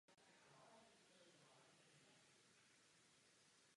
Svým jménem ale také zaštiťuje dětské výtvarné soutěže.